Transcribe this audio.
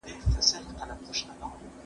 پرون مي یو زوړ ساعت جوړ کړ.